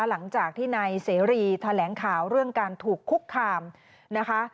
หลังจากที่นายเสรีแถลงข่าวเรื่องการถูกคุกคามนะคะ